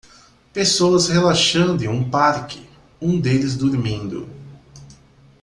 Pessoas relaxando em um parque um deles dormindo